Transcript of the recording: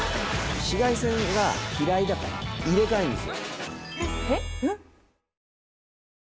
紫外線が嫌いだから入れ替えるんですよ